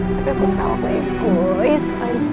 tapi aku tau aku egois